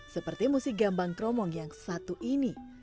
seperti musik gambang kromong yang satu ini